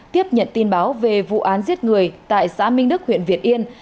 tiếp nhận tin báo về vụ án giết người tại xã minh đức huyện việt yên